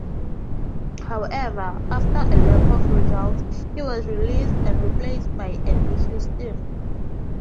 However, after a lack of results, he was released, and replaced by Andy Houston.